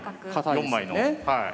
４枚の。